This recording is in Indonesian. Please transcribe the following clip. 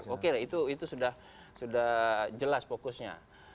oke itu sudah jelas fokusnya